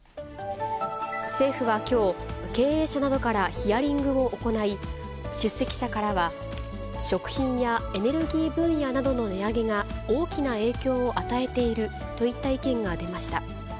政府はきょう、経営者などからヒアリングを行い、出席者からは、食品やエネルギー分野などの値上げが大きな影響を与えているといった意見が出ました。